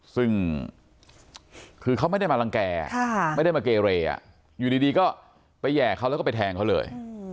ซึ่งคือเขาไม่ได้มารังแก่ไม่ได้มาเกเรอยู่ดีก็ไปแห่เขาแล้วก็ไปแทงเขาเลย